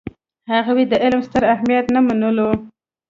هغوی د علم ستر اهمیت نه منلو.